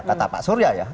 kata pak surya ya